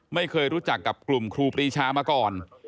ไม่เคยรู้จักกับกลุ่มครูปรีชามาก่อน